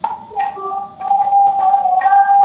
ژبه يو لوی نعمت دی.